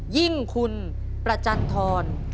ยิ่งคุณประจันทร